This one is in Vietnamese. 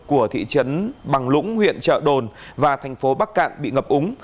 của thị trấn bằng lũng huyện trợ đồn và thành phố bắc cạn bị ngập úng